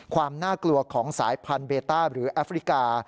ความน่ากลัวของสายพันธุเบต้าหรือแอฟริกา